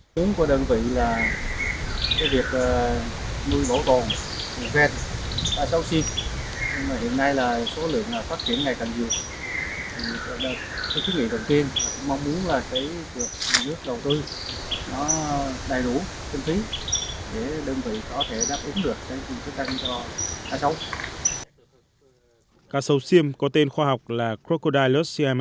chứng của đơn vị là việc nuôi bổ tồn nguồn gen cá sấu siêm